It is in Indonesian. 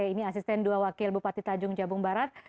ini asisten dua wakil bupati tanjung jabung barat